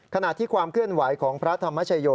ขณะที่ความเคลื่อนไหวของพระธรรมชโย